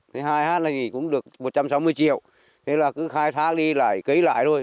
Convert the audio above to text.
hai hectare thì cũng được một trăm sáu mươi triệu thế là cứ khai thác đi lại kế lại thôi